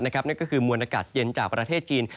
นั่นก็คือมวลอากาศเย็นจากประเทศจีน